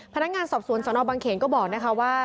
พนักงานสอบสวนสนบังเขนก็บอกนะคะว่า